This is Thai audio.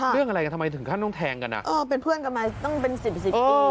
เรื่องอะไรกันทำไมถึงขั้นต้องแทงกันอ่ะเออเป็นเพื่อนกันมาต้องเป็นสิบสิบปี